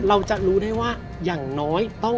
เราจะรู้ได้ว่าอย่างน้อยต้อง